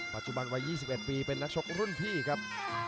ปัจจุบันวัย๒๑ปีเป็นนักชกรุ่นพี่ครับ